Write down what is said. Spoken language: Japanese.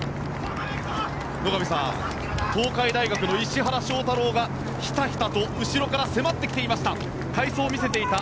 野上さん、東海大学の石原翔太郎が、ひたひたと後ろから迫ってきていました！